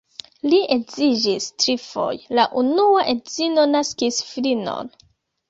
Li edziĝis trifoje, la unua edzino naskis filinon.